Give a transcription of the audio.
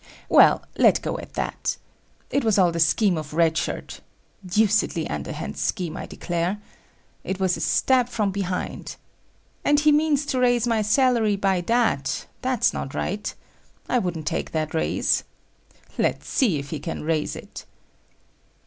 "Well, let go at that. It was all the scheme of Red Shirt. Deucedly underhand scheme, I declare. It was a stab from behind. And he means to raise my salary by that; that's not right. I wouldn't take that raise. Let's see if he can raise it."